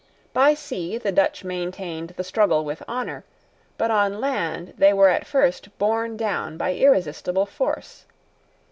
By sea the Dutch maintained the struggle with honour; but on land they were at first borne down by irresistible force.